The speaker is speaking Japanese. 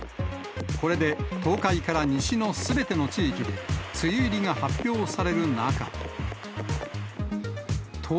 これで東海から西のすべての地域で、梅雨入りが発表される中。